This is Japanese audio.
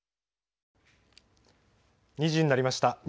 ２時になりました。